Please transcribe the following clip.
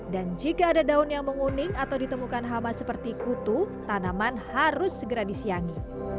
dan jika ada daun yang menguning atau ditemukan hama seperti kutu tanaman harus segera disiangi